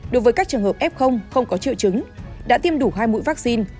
đối với các trường hợp f không có triệu chứng đã tiêm đủ hai mũi vaccine